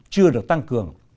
chưa được tăng cường